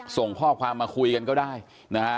ส่งข้อความมาคุยกันก็ได้นะฮะ